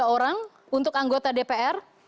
dua puluh tiga orang untuk anggota dpr